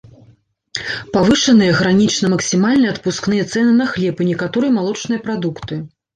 Павышаныя гранічна максімальныя адпускныя цэны на хлеб і некаторыя малочныя прадукты.